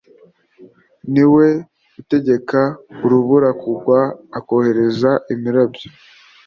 ni we utegeka urubura kugwa akohereza imirabyo